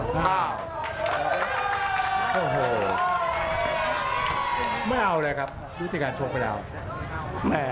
ไม่เอาเลยครับวิธีการชงไม่เอา